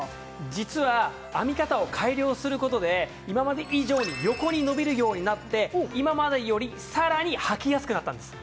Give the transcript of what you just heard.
実は編み方を改良する事で今まで以上に横に伸びるようになって今までよりさらにはきやすくなったんです。